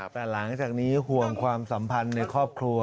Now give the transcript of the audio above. แต่หลังจากนี้ห่วงความสัมพันธ์ในครอบครัว